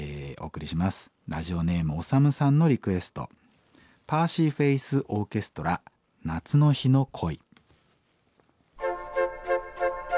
ラジオネームオサムさんのリクエストパーシー・フェイス・オーケストラ「夏の日の恋」。